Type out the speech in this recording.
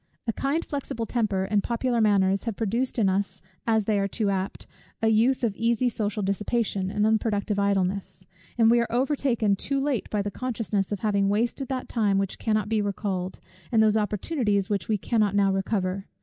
A kind flexible temper and popular manners have produced in us, as they are too apt, a youth of easy social dissipation, and unproductive idleness; and we are overtaken too late by the consciousness of having wasted that time which cannot be recalled, and those opportunities which we cannot now recover.